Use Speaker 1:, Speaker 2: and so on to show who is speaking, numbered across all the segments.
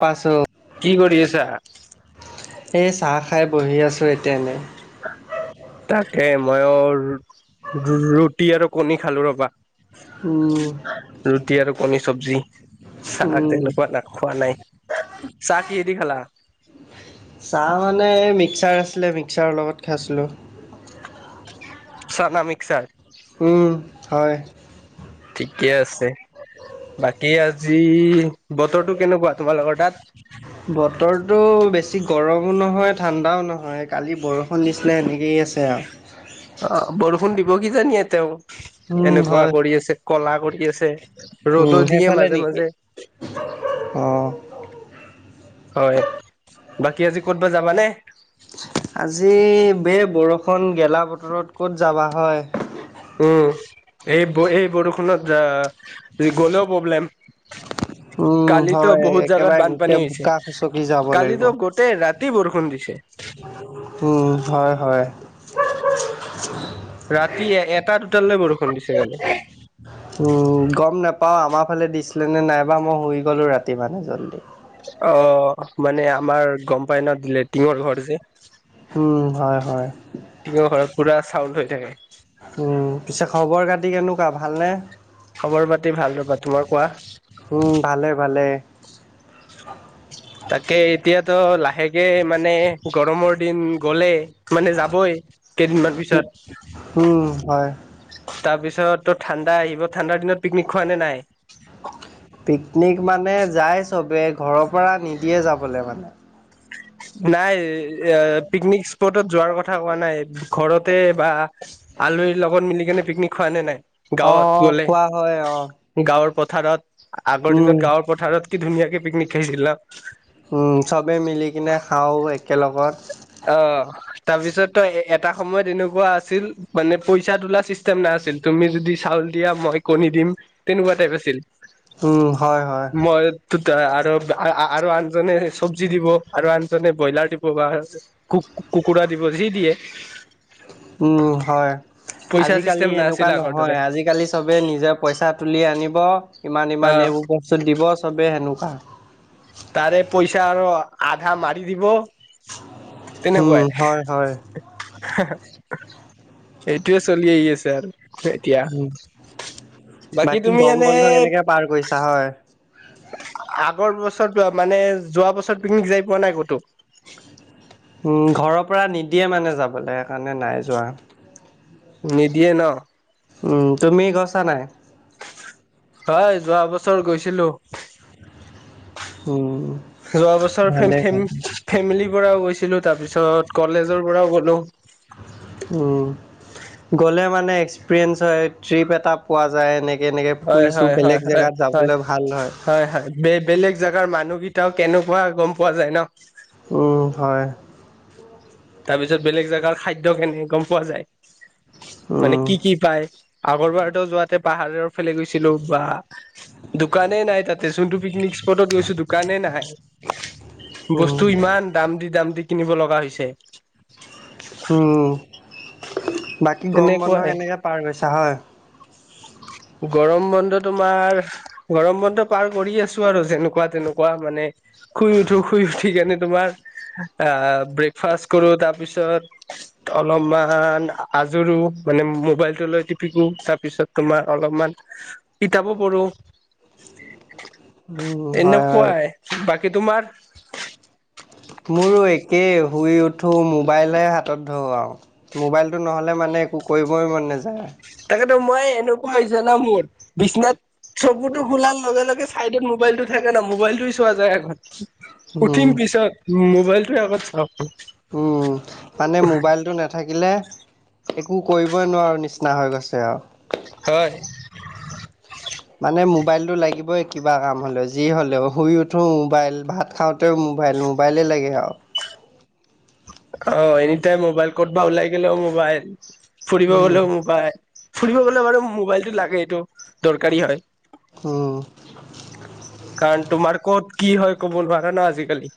Speaker 1: পাচেল
Speaker 2: কি কৰি আছা?
Speaker 1: এই চাহ খাই বহি আছো এতিয়া এনেই।
Speaker 2: তাকে মই অ, ৰু-ৰুটি আৰু কণী খালো ৰবা।
Speaker 1: উম,
Speaker 2: ৰুটি আৰু কণী, চব্জি, চাহ
Speaker 1: উম
Speaker 2: তেনেকুৱা না খোৱা নাই? চাহ কি হেদি খালা?
Speaker 1: চাহ মানে মিক্সাৰ আছিলে, মিক্সাৰৰ লগত খাইছিলোঁ।
Speaker 2: চানা মিক্সাৰ।
Speaker 1: উম, হয়।
Speaker 2: ঠিকে আছে, বাকী আজি বতৰটো কেনেকুৱা তোমালোকৰ তাত?
Speaker 1: বতৰটো বেছি গৰমো নহয়, ঠাণ্ডাও নহয় কালি বৰ ষূণ দিছিলে এনেকৈয়ে আছে আ,
Speaker 2: অ, বৰষুণ দিব কি জানিয়ে তেওঁ
Speaker 1: উম
Speaker 2: এনেকুৱা
Speaker 1: হয়
Speaker 2: কৰি আছে, কলা কৰি আছে
Speaker 1: উম
Speaker 2: ৰ'দত দিয়ে
Speaker 1: সেইফালে নেকি
Speaker 2: মাজে-মাজে।
Speaker 1: অ',
Speaker 2: হয়, বাকী আজি ক'তবা যাবানে?
Speaker 1: আজি বে বৰষুণ গেলা বতৰত ক'ত যাবা হয়।
Speaker 2: উম, এই-এই বৰষুণত গ'লেও প্ৰব্লেম?
Speaker 1: উম
Speaker 2: কালিতো
Speaker 1: হয়
Speaker 2: বহুত জাগাত
Speaker 1: একেবাৰে গোটেই
Speaker 2: বানপানী হৈছে।
Speaker 1: বোকা খচকি যাব লাগিব
Speaker 2: কালিতো গোটেই ৰাতি বৰষুণ দিছে।
Speaker 1: উম, হয়-হয়।
Speaker 2: ৰাতি এ এটাত দুটালে বৰষুণ দিছে কালি।
Speaker 1: উম, গম নোপাও, আমাৰ ফালে দিছিলে নে নাইবা মই শুই গলো ৰাতি মানে জল্দি।
Speaker 2: অ, মানে আমাৰ গম পাই ন লেটিঙৰ ঘৰ যে।
Speaker 1: উম, হয়-হয়।
Speaker 2: টিঙৰ ঘৰত পুৰা চাউন হৈ থাকে।
Speaker 1: উম, পিছে খবৰ-খাটি কেনেকুৱা ভাল নে?
Speaker 2: খবৰ পাতি ভাল ৰবা, তোমাৰ কোৱা?
Speaker 1: উম, ভালে-ভালে।
Speaker 2: তাকে এতিয়াতো লাহেকে মানে গৰমৰ দিন গ'লে। মানে, যাবই কেইদিনমান পিছত।
Speaker 1: উম, হয়।
Speaker 2: তাৰপিছত ত ঠাণ্ডা আহিব ঠাণ্ডাৰ দিনত পিকনিক খোৱা নে নাই।
Speaker 1: পিকনিক মানে যায় চবেই ঘৰৰ পৰা নিদিয়ে যাবলে মানে।
Speaker 2: নাই এই এ পিকনিক স্পটত যোৱাৰ কথা কোৱা নাই। ঘৰতে বা, আলহীৰ লগত মিলি কেনে পিকনিক খোৱা নে নাই?
Speaker 1: অ',
Speaker 2: গাঁৱত
Speaker 1: অ',
Speaker 2: গলে।
Speaker 1: খোৱা হয় অ',
Speaker 2: গাঁৱৰ পথাৰত আগৰ
Speaker 1: উম।
Speaker 2: দিনত গাঁৱৰ পথাৰত কি ধুনীয়াকে পিকনিক খাইছিল ন।
Speaker 1: উম, চবে মিলি কিনে খাও একেলগত।
Speaker 2: অ', তাৰপিছত তই এটা সময়ত এনেকুৱা আছিল, মানে পইচা তোলা চিষ্টেম নাআছিল। তুমি যদি চাউল দিয়া মই কণী দিম তেনেকুৱা টাইপ আছিল।
Speaker 1: উম, হয়-হয়।
Speaker 2: মই টোত আৰু আ আৰু আনজনে চব্জি দিব আৰু আনজনে ব্ৰইলাৰ দিব বা কু কুকুৰা দিব যি দিয়ে।
Speaker 1: উম হয়
Speaker 2: পইচা
Speaker 1: আজিকালি
Speaker 2: চিষ্টেম
Speaker 1: এনেকুৱা
Speaker 2: নাছিল আগৰ দৰে
Speaker 1: নহয় আজিকালি চবে নিজে পইচা তুলি আনিব
Speaker 2: অ
Speaker 1: ইমান-ইমান এইবোৰ বস্তুত দিব চবেই সেনেকুৱা।
Speaker 2: তাৰে পইচা আৰু আধা মাৰি দিব।
Speaker 1: উম,
Speaker 2: তেনেকুৱাই
Speaker 1: হয়-হয়।
Speaker 2: [unintelligible] এইটোয়ে চলি আহি আছে আৰু। এতিয়া
Speaker 1: উম,
Speaker 2: বাকী তুমি
Speaker 1: গৰম
Speaker 2: এনে
Speaker 1: বন্ধ কেনেকে পাৰ কৰিছা হয়।
Speaker 2: আগৰ বছৰত মানে যোৱা বছৰত পিকনিক যাই পোৱা নাই ক'তো?
Speaker 1: উম, ঘৰৰ পৰা নিদিয়ে মানে যাবলে সেইকাৰনে নাই যোৱা।
Speaker 2: নিদিয়ে ন?
Speaker 1: উম তুমি গইছা নাই?
Speaker 2: হয় যোৱা বছৰ গৈছিলো।
Speaker 1: উম।
Speaker 2: যোৱা বছৰ ফে
Speaker 1: ভালে
Speaker 2: ফেম
Speaker 1: ভালে।
Speaker 2: ফেমিলিৰ পঢ়াওঁ গৈছিলোঁ তাৰপিছত কলেজৰ পঢ়াওঁ গ'লোঁ।
Speaker 1: উম, গ'লে মানে এক্সপেৰিয়েন্স হয় ট্ৰিপ এটা পোৱা যায় এনে এনেকে
Speaker 2: হয়
Speaker 1: ফুৰিছো
Speaker 2: হয় হয়
Speaker 1: বেলেগ
Speaker 2: হয়
Speaker 1: জেগাত
Speaker 2: হয়
Speaker 1: যাবলৈ ভাল হয়।
Speaker 2: বে বেলেগ জেগাৰ মানুহগিটাও কেনেকুৱা গম পোৱা যায় ন।
Speaker 1: উম, হয়।
Speaker 2: তাৰপিছত বেলেগ জেগাৰ খাদ্য কেনে গম পোৱা যায়। মানে
Speaker 1: উম,
Speaker 2: কি-কি পায়? আগৰবাৰত যোৱাতে পাহাৰৰ ফালে গৈছিলো বা দোকানে নাই তাতে, যোনটো পিকনিক স্পটত গৈছো দোকানেই নাই।
Speaker 1: উম,
Speaker 2: বস্তু ইমান দাম দি দাম দি কিনিব লগা হৈছে।
Speaker 1: উম, বাকী গৰম বন্ধ
Speaker 2: তেনেকুৱাই
Speaker 1: কেনেকে পাৰ কৰিছা হয়।
Speaker 2: গৰম বন্ধ তোমাৰ গৰম বন্ধ পাৰ কৰি আছো আৰু যেনেকুৱা তেনেকুৱা মানে শুই উঠো শুই উঠি কেনে তোমাৰ আ ব্ৰেকফাষ্ট কৰো তাৰপিছত অলপমান আজোৰো মানে মোবাইলটো লৈ টিপিকো তাৰ পিছত তোমাৰ অলপমান কিতাবো পঢ়ো
Speaker 1: উম, হয়, হয়।
Speaker 2: এনেকুৱাই। বাকী তোমাৰ?
Speaker 1: মোৰো একেই শুই উঠো, মোবাইলে হাতত ধৰো আও। মোবাইলটো নহ'লে মানে একো কৰিবই মন নাযায়।
Speaker 2: তাকেতো মই এনেকুৱা হৈছো [unintelligible] মোৰ বিচনাত চকুটো খোলাৰ লগে-লগে চাইডত মোবাইলটো থাকে ন, মোবাইলটো চোৱা যায় আগত।
Speaker 1: উম,
Speaker 2: উঠিম পিছত মোবাইলটো আগত চাও।
Speaker 1: উম, মানে মোবাইলটো নেথাকিলে একো কৰিবই নোৱাৰো নিচিনা হৈ গৈছে আৰু।
Speaker 2: হয়।
Speaker 1: মানে মোবাইলটো লাগিবই কিবা কাম হ'লেও যি হ'লেও, শুই উঠোঁ মোবাইল, ভাত খাওঁ তেওঁ মোবাইল, মোবাইলে লাগে আৰু।
Speaker 2: অ' এনিটাইম মোবাইল ক'তবা ওলাই গলেও মোবাইল, ফুৰিব
Speaker 1: উম,
Speaker 2: গলেও মোবাইল। ফুৰিব গলে বাৰু মোবাইলটো লাগে এইটো দৰকাৰী হয়।
Speaker 1: উম।
Speaker 2: কাৰণ তোমাৰ ক'ত কি হয় কব নোৱাৰা ন আজিকালি?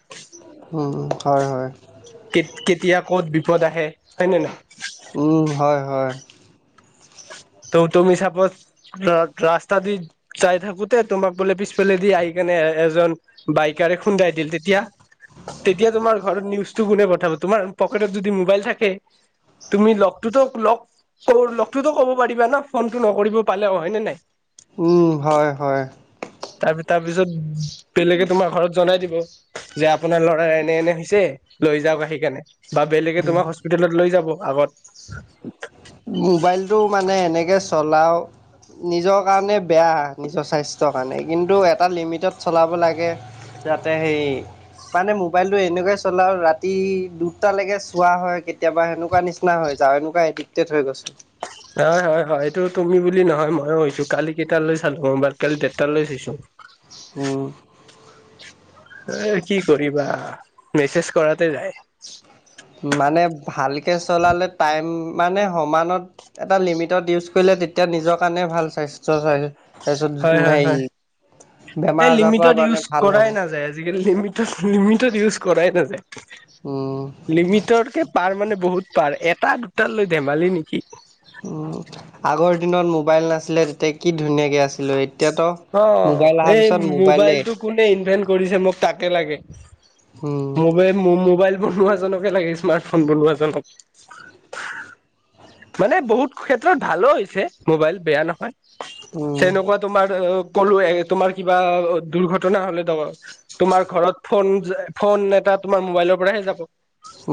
Speaker 1: উম, হয়-হয়।
Speaker 2: কে কেতিয়া ক'ত বিপদ আহে হয় নে নাই?
Speaker 1: উম, হয়-হয়।
Speaker 2: ত তুমি চাপজ ৰা-ৰাস্তা দি চাই থাকোতে তোমাক বোলে পিছফালে দি আহি কেনে এ এজন বাইকাৰে খুন্দাই দিল তেতিয়া? তেতিয়া তোমাৰ ঘৰত নিউজটো কোনে পঠাব? তোমাৰ পকেটত যদি মোবাইল থাকে তুমি লগটোতো লগ লগটোতো ক'ব পাৰিবা ন ফোনটো নকৰিব পালে অ' হয় নে নাই?
Speaker 1: উম, হয় হয়।
Speaker 2: তাৰ তাৰ পিছত বেলেগে তোমাৰ ঘৰত জনাই দিব। যে আপোনাৰ ল'ৰা এনে এনে হৈছে লৈ যাওক আহি কাৰণে বা বেলেগে তোমাক হস স্পিতেলত লৈ যাব আগত।
Speaker 1: মোবাইলটো মানে এনেকে চলাও নিজৰ কাৰণে বেয়া, নিজৰ স্বাস্থ্যৰ কাৰণে কিন্তু এটা লিমিটত চলাব লাগে। যাতে সেই মানে মোবাইলটো এনেকুৱাই চলাও ৰাতি দুটালৈকে চোৱা হয় কেতিয়াবা, সেনেকুৱা নিচিনা হয়। যা এনুকুৱা এডিক্টেট হৈ গৈছো।
Speaker 2: হয়-হয়-হয় এইটো তুমি বুলি নহয় ময়ো হৈছো, কালি কেইটালৈ চালো মবাইল কালি দেৰটা লৈ চাইছো।
Speaker 1: উম।
Speaker 2: এ কি কৰিবা মেছেজ কৰাতে যায়।
Speaker 1: মানে ভালকে চলালে টাইম মানে সমানত এটা লিমিটত ইউজ কৰিলে তেতিয়া নিজৰ কাৰণে ভাল স্বাস্থ্য হয়।
Speaker 2: হয়, হয়, হয়
Speaker 1: বেমাৰ
Speaker 2: এই
Speaker 1: আজাৰৰ পৰা
Speaker 2: লিমিটত
Speaker 1: মানে
Speaker 2: ইউজ
Speaker 1: ভাল হ'ব
Speaker 2: কৰাই নাযায়। আজিকালি লিমি লিমিটত ইউজ কৰাই নাযায়।
Speaker 1: উম।
Speaker 2: লিমিটতকে পাৰ মানে বহুত পাৰ, এটা, দুটা লৈ ধেমালি নেকি?
Speaker 1: আগৰ দিনত মোবাইল নাছিলে তেতিয়া কি ধুনীয়াকৈ আছিলে, এতিয়াতো
Speaker 2: অ,
Speaker 1: মোবাইল অহাৰ
Speaker 2: এই
Speaker 1: পিছত মোবাইলে
Speaker 2: মোবাইলটো কোনে ইনভেট কৰিছে মোক তাকে লাগে।
Speaker 1: উম।
Speaker 2: মোবাইল মোৰ মোবাইল বনোৱা জনকে লাগে স্মাৰ্টফোন বনোৱা জনক। মানে বহুত ক্ষেত্ৰত ভালো হৈছে মোবাইল বেয়া নহয়,
Speaker 1: উম
Speaker 2: তেনেকুৱা তোমাৰ কলো তোমাৰ কিবা দুৰ্ঘটনা হ'লে ত তোমাৰ ঘৰত ফন যে ফন এটা তোমাৰ মবাইলৰ পৰাহে যাব,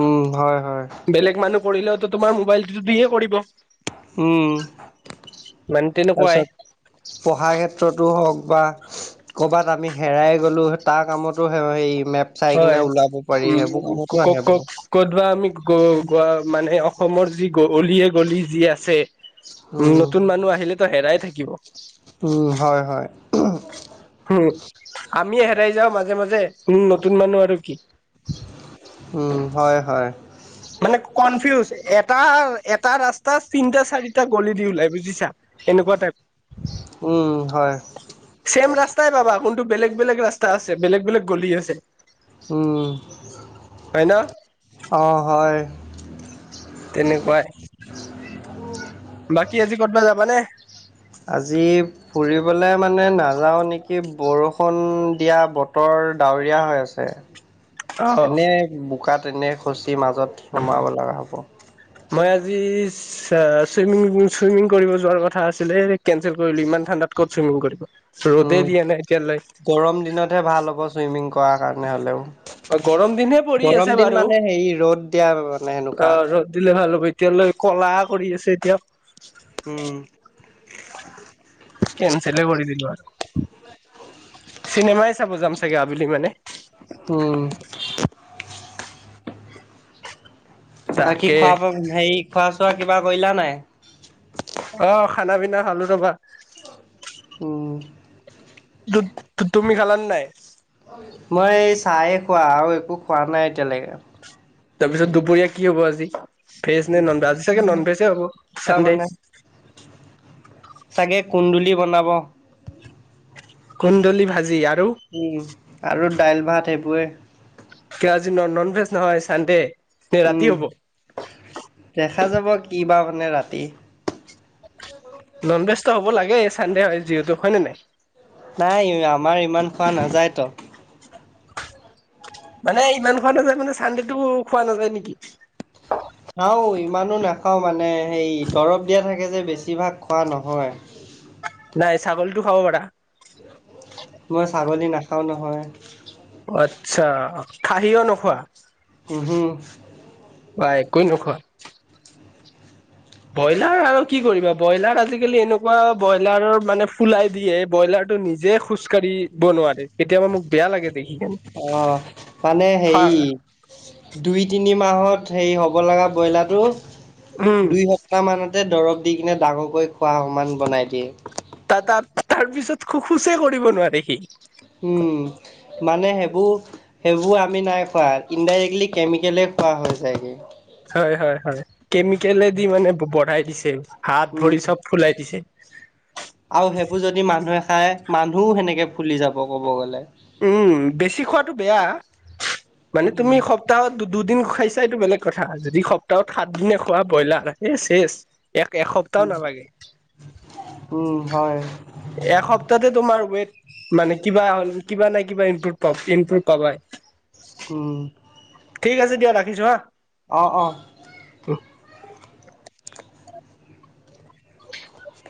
Speaker 1: উম হয় হয়
Speaker 2: বেলগ মানুহ পঢ়িলেওতো তোমাৰ মোবাইলটো দিয়ে কৰিব।
Speaker 1: উম,
Speaker 2: মানে তেনেকুৱাই
Speaker 1: তাৰপাছত পঢ়াৰ ক্ষেত্ৰতো হওক বা কৰ'বাত আমি হেৰাই গ'লো, তাৰ কামতো সেই মেপ চাই
Speaker 2: হয়
Speaker 1: কিনে ওলাব পাৰি, সেইবোৰ
Speaker 2: উম ক ক
Speaker 1: কামতো আহে বাৰু।
Speaker 2: ক'তবা আমি গ গ মানে অসমৰ যি গ গলিয়ে গলি যি আছে। উম, নতুন মানুহ আহিলেতো হেৰাই থাকিব।
Speaker 1: হয়, হয়।
Speaker 2: উম, আমিয়ে হেৰাই যাওঁ মাজে মাজে, উম নতুন মানুহ আৰু কি।
Speaker 1: উম, হয় হয়।
Speaker 2: মানে কনফিউজ, এটা এটা ৰাস্তা তিনিটা, চাৰিটা গলি দি ওলাই বুজিছা। এনেকুৱা টাইপ।
Speaker 1: উম হয়।
Speaker 2: চেম ৰাস্তাই পাবা, কোনটো বেলেগ বেলেগ ৰাস্তা আছে, বেলেগ বেলেগ গলি আছে।
Speaker 1: উম,
Speaker 2: হয় ন।
Speaker 1: অ হয়।
Speaker 2: তেনেকুৱাই‌। বাকী আজি কতবা যাবা নে?
Speaker 1: আজি ফুৰিবলে মানে নাযাও নে কি বৰষুণ দিয়া বতৰ ডাৱৰীয়া হৈ আছে
Speaker 2: অ'।
Speaker 1: এনে বোকা এনে ফচি মাজত সোমাব লগা হ'ব।
Speaker 2: মই আজি চা চুইমিং, চুইমিং কৰিব যোৱাৰ কথা আছিলে, কেঞ্চল কৰিলো, ইমান ঠণ্ডাত ক'ত চুইমিং কৰিবি।
Speaker 1: উম,
Speaker 2: ৰ'দে দিয়ে নাই এতিয়ালৈ।
Speaker 1: গৰম দিনতহে ভাল হ'ব ছুইমিং কৰাৰ কাৰণে হ'লেও।
Speaker 2: অ, গৰম দিনহে পৰি
Speaker 1: গৰম
Speaker 2: আছে
Speaker 1: দিন
Speaker 2: বাৰু,
Speaker 1: মানে হেৰি ৰ'দ দিয়া মানে
Speaker 2: অ,
Speaker 1: সেনেকুৱা।
Speaker 2: ৰ'দ দিলে ভাল হ'ব। এতিয়ালৈ ক'লা কৰি আছে এতিয়া।
Speaker 1: উম।
Speaker 2: কেন্সেল কৰি দিলো আৰু চিনেমাই চাব যাম চাগে আবেলি মানে।
Speaker 1: উম। বাকী
Speaker 2: তাকে
Speaker 1: খোৱা-বোৱা হেৰি খোৱা-চোৱা কিবা কৰিলা নাই?
Speaker 2: অ, খানা-পিনা খালো ৰবা।
Speaker 1: উম।
Speaker 2: তু তুমি খালানে নাই?
Speaker 1: মই এই চায়ে খোৱা, আৰু একো খোৱা নাই এতিয়ালৈকে।
Speaker 2: তাৰপিছত দুপৰীয়া কি হ'ব আজি ভেজ নে নন ভেজ। আজি চাগে নন ভেজে হ'ব
Speaker 1: কিবা
Speaker 2: চানডে।
Speaker 1: বনাই চাগে কুন্দুলি বনাব।
Speaker 2: কুন্দলি ভাজি আৰু?
Speaker 1: উম আৰু দাইল ভাত সেইবোৰে।
Speaker 2: আজি নন ভেজ নহয় চানডে। নে
Speaker 1: উম,
Speaker 2: ৰাতি হ'ব
Speaker 1: দেখা যাব কিবা মানে ৰাতি।
Speaker 2: নন ভেজটো হ'ব লাগে চানডে হয় যিহেতু হয় নে নাই।
Speaker 1: নাই আমাৰ ইমান খোৱা নাযায়তো।
Speaker 2: মানে ইমান খোৱা নাযায় মানে চানডেটো খোৱা নাযায় নেকি?
Speaker 1: খাও, ইমানো নাখাও মানে সেই দৰৱ দিয়া থাকে যে বেছিভাগ খোৱা নহয়।
Speaker 2: নাই ছাগলীটো খাব পাৰা?
Speaker 1: মই ছাগলী নাখাও নহয়।
Speaker 2: আচ্ছা, খাহিও নোখোৱা?
Speaker 1: উহু।
Speaker 2: বাঃ একোৱে নোখোৱা। ব্ৰইলাৰ আৰু কি কৰিবা ব্ৰইলাৰ আজিকালি এনেকুৱা ব্ৰইলাৰৰ মানে ফুলাই দিয়ে, ব্ৰইলাৰটো নি - নিযে খোজ কাঢ়িব নোৱাৰে, কেতিয়াবা মোক বেয়া লাগে দেখি কেনে।
Speaker 1: অ, মানে হেৰি
Speaker 2: ফাৰ
Speaker 1: দুই, তিনি মাহত হেৰি হ'ব লগা ব্ৰইলাৰটো
Speaker 2: উম
Speaker 1: দুই সপ্তাহ মানত তাতে দৰব দি কিনে ডাঙৰকৈ খোৱা সমান বনাই দিয়ে।
Speaker 2: ত তাৰ তাৰ পিছত খোচে কৰিব নোৱাৰে সি।
Speaker 1: উম, মানে সেইবোৰ সেইবোৰ আমি নাই খোৱা ইনডাইৰেক্টলি কেমিকেলেই খোৱা হৈ যায়গে।
Speaker 2: হয়-হয়-হয় কেমিকেলেদি মানে বঢ়াই দিছে হাত, ভৰি
Speaker 1: উম
Speaker 2: চব ফুলাই দিছে।
Speaker 1: আৰু সেইবোৰ যদি মানুহে খাই মানুহও সেনেকে ফুলি যাব কব গ'লে।
Speaker 2: উম বেছি খোৱাটো বেয়া মানে
Speaker 1: উম
Speaker 2: তুমি? সপ্তাহত দুদিন খাইছা সেইটো বেলেগ কথা। যদি সপ্তাহত সাত দিনে খোৱা ব্ৰইলাৰ হ শেষ এক এসপ্তাও
Speaker 1: উম
Speaker 2: নালাগে।
Speaker 1: উম হয়।
Speaker 2: এসপ্তাহতে তোমাৰ ৱেট মানে কিবা হ'ল কিবা নাই কিবা ইনপুট প ইনপুট পাবাই।
Speaker 1: উম।
Speaker 2: ঠিক আছে দিয়া ৰাখিছো হা।
Speaker 1: অ, অ।
Speaker 2: [unintelligible]